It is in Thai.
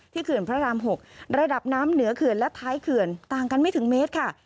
เขื่อนพระราม๖ระดับน้ำเหนือเขื่อนและท้ายเขื่อนต่างกันไม่ถึงเมตรค่ะ